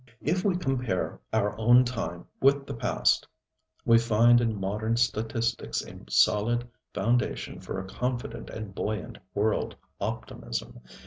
If we compare our own time with the past, we find in modern statistics a solid foundation for a confident and buoyant world optimism.